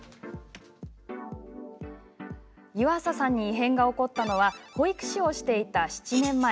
湯浅さんに異変が起こったのは保育士をしていた７年前。